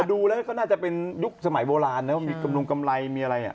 ดูแล้วก็น่าจะเป็นยุคสมัยโบราณนะว่ามีกำรงกำไรมีอะไร